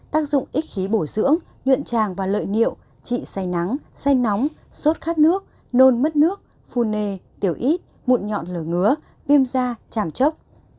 tác dụng ít khí bổ dưỡng nhuận tràng và lợi niệu trị say nắng say nóng sốt khát nước nôn mất nước phu nề tiểu ít mụn nhọn lửa ngứa viêm da chảm chốc